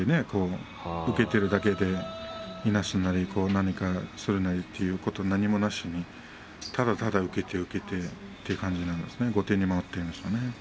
受けているだけで、いなすなり何かするなりということ何もなくただただ受けて受けてそういう感じで後手に回っていますね。